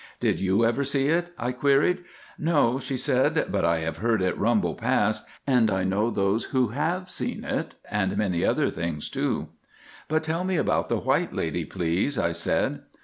"Did you ever see it?" I queried. "No," she said, "but I have heard it rumble past, and I know those who have seen it, and many other things too." "But tell me about the White Lady, please," I said.